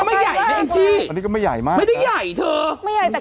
แสดงว่าอุดมสมบูรณ์อันนี้ก็ไม่ใหญ่มากไม่ได้ใหญ่เธอไม่ใหญ่แต่